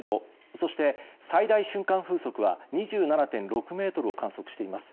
そして、最大瞬間風速は２７．６メートルを観測しています。